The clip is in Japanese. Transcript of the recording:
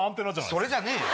それじゃねえよ！